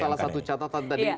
salah satu catatan tadi